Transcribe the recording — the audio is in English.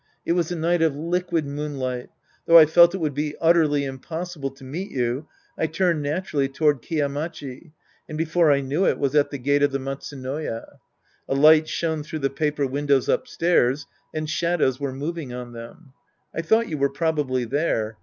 It was a night of liquid moon light. Though I felt it would be utterly impossible to meet you, I turned naturally toward Kiya Machi and before I knew it was at the gate of the Matsu noya. A light shone through the paper windows up stairs, and shadows were moving on them. I thought you were probably there.